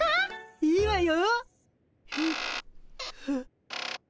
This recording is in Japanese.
いいわよ。